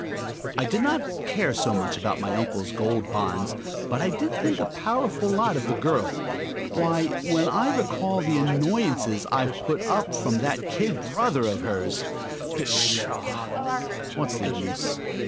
I did not care so much about my uncle's gold bonds, but I did think a powerful lot of the girl. Why, when I recall the annoyances I've put up with from that kid brother of hers!... Pshaw, what's the use?